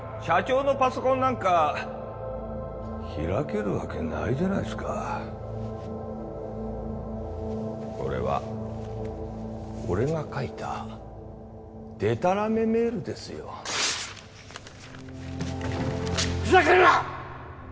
社長のパソコンなんか開けるわけないじゃないですかこれは俺が書いたデタラメメールですよふざけるな！